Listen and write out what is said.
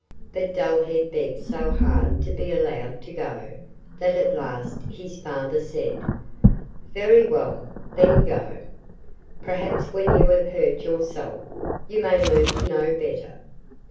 But Dullhead begged so hard to be allowed to go that at last his father said: 'Very well, then—go. Perhaps when you have hurt yourself, you may learn to know better.